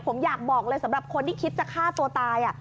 ผมอยากบอกเลยสำหรับคนที่คิดจะฆ่าตัวตาย